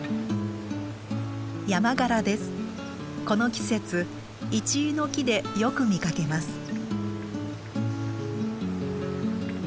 この季節イチイの木でよく見かけます。